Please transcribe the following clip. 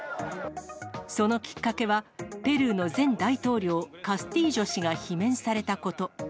そのきっかけは、ペルーの前大統領、カスティージョ氏が罷免されたこと。